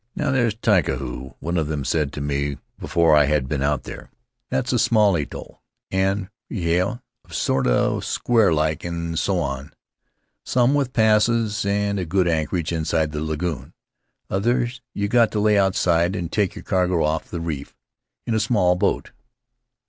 "Now, there's Tikehau," one of them said to me before I had been out there. "That's a round atoll; and Rahiroa is sort o' square like, an' so on. Some with passes and a good anchorage inside the lagoon. Others you got to lay outside an' take your cargo off the reef in a small boat."